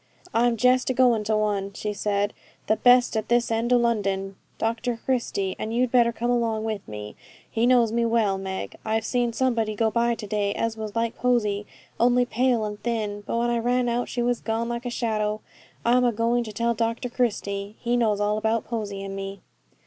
'I'm just a going to one,' she said, 'the best at this end o' London, Dr Christie, and you'd better come along with me. He knows me well. Meg, I've seen somebody go by to day as was like Posy, only pale and thin; but when I ran out, she was gone like a shadow. I'm a going to tell Dr Christie; he knows all about Posy and me.'